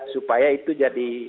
supaya itu jadi